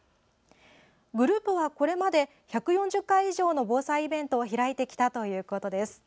グループはこれまで１４０回以上の防災イベントを開いてきたということです。